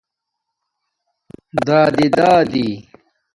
رادی رادی